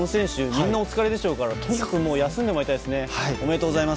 みんなお疲れでしょうからとにかく休んでもらいたいですね。